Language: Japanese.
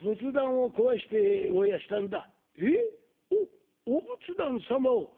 おっお仏壇様を？」。